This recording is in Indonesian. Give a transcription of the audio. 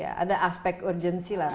jadi ada aspek urgensi lah